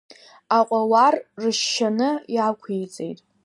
Аҟауар ршьшьаны иақәиҵеит.